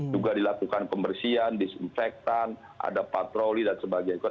juga dilakukan pembersihan disinfektan ada patroli dan sebagainya